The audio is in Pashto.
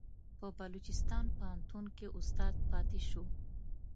په بلوچستان پوهنتون کې استاد پاتې شو.